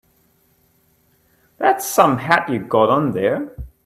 That's some hat you got on there.